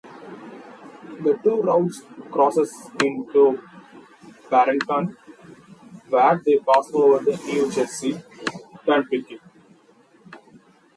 The two routes cross into Barrington, where they pass over the New Jersey Turnpike.